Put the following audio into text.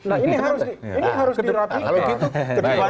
nah ini harus dirapikan